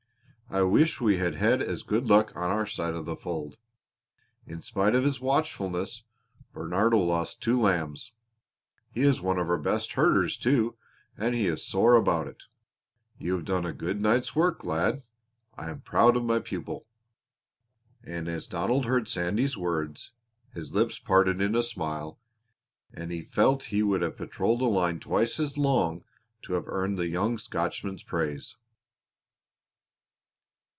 I wish we had had as good luck on our side of the fold. In spite of his watchfulness Bernardo lost two lambs. He is one of our best herders, too, and he is sore about it. You have done a good night's work, lad. I am proud of my pupil!" And as Donald heard Sandy's words his lips parted in a smile and he felt he would have patrolled a line twice as long to have earned the young Scotchman's praise.